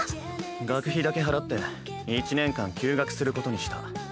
学費だけ払って１年間休学することにした。